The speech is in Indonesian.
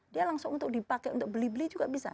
dia langsung untuk dipakai untuk beli beli juga bisa